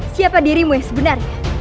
siapa dirimu yang sebenarnya